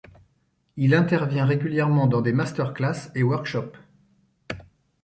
Il intervient régulièrement dans des masterclass et workshops.